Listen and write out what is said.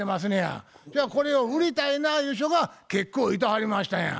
じゃあこれを売りたいなゆう人が結構いてはりましたんや。